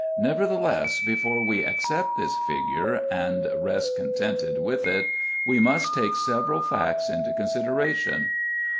Nevertheless, before we accept this figure and rest contented with it, we must take several facts into consideration.